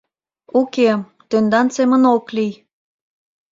Уке, тендан семын ок лий!..